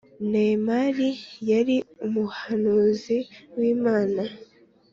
Nehemiya yari umuhanuzi w’Imana